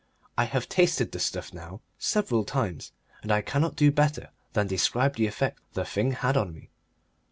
I have tasted the stuff now several times, and I cannot do better than describe the effect the thing had on me.